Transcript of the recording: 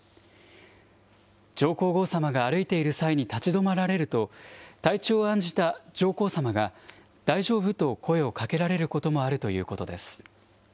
上皇后さまが歩いている際に立ち止まられると、体調を案じた上皇さまが、大丈夫？と声をかけられることもあるということです。